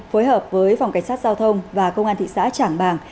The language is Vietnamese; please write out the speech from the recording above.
phối hợp với phòng cảnh sát giao thông và công an thị xã trảng bàng